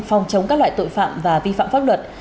phòng chống các loại tội phạm và vi phạm pháp luật